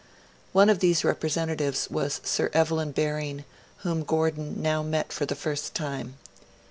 One of these representatives was Sir Evelyn Baring, whom Gordon now met for the first time.